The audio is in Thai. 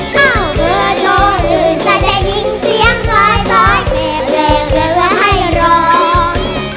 เมื่อโทรอื่นจะได้ยิงเสียงร้อยร้อยแบบแบบเลือดให้ร้อง